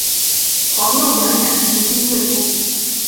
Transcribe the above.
皇佑元年十一月卒。